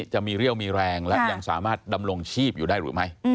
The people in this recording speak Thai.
จะมีเรี่ยวมีแรงและยังสามารถดำรงชีพอยู่ได้หรือไม่